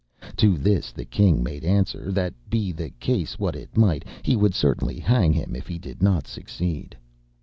To this the king made answer, that be the case what it might, he would certainly hang him if he did not succeed.